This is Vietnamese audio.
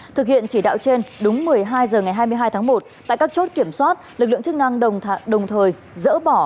thực hiện chỉ đạo trên đúng một mươi hai h ngày hai mươi hai tháng một tại các chốt kiểm soát lực lượng chức năng đồng thời dỡ bỏ